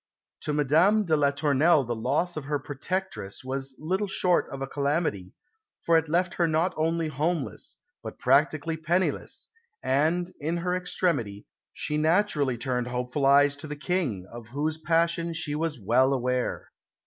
To Madame de la Tournelle the loss of her protectress was little short of a calamity, for it left her not only homeless, but practically penniless; and, in her extremity, she naturally turned hopeful eyes to the King, of whose passion she was well aware.